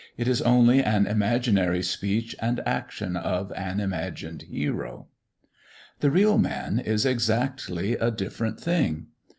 It is only an imaginary speech and action of an imagined hero. The real man is exactly a different thing.